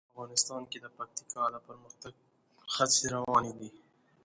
افغانستان کې د پکتیکا د پرمختګ هڅې روانې دي.